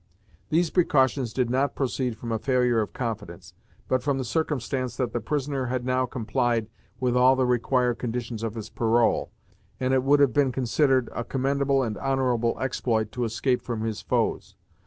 These precautions did not proceed from a failure of confidence, but from the circumstance that the prisoner had now complied with all the required conditions of his parole, and it would have been considered a commendable and honorable exploit to escape from his foes.